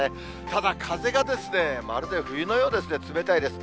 ただ風がですね、まるで冬のようですね、冷たいです。